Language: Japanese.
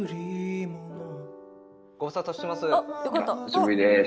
ご無沙汰してます。